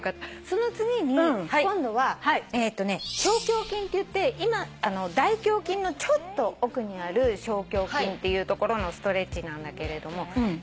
その次に今度は小胸筋っていって大胸筋のちょっと奥にある小胸筋っていうところのストレッチなんだけれども。